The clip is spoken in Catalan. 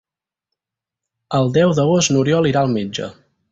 El deu d'agost n'Oriol irà al metge.